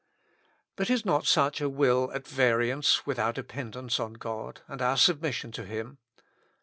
But is not such a will at variance with our depend ence on God and our submission to Him